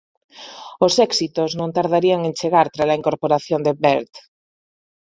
Os éxitos non tardarían en chegar trala incorporación de Bird.